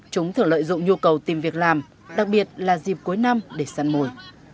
chúng thường lợi dụng nhu cầu tìm việc làm đặc biệt là dịp cuối năm để săn mồi